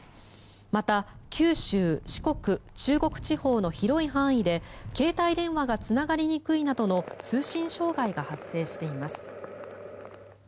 また九州、四国、中国地方の広い範囲で携帯電話がつながりにくいなどの通信障害が発生しています。